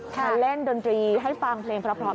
มาเล่นดนตรีให้ฟังเพลงเพราะ